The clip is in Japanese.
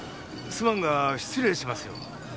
すまんが失礼しますよ。